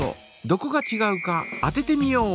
どこがちがうか当ててみよう！